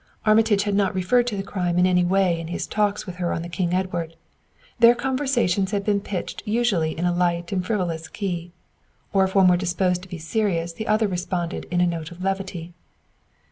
Armitage had not referred to the crime in any way in his talks with her on the King Edward; their conversations had been pitched usually in a light and frivolous key, or if one were disposed to be serious the other responded in a note of levity.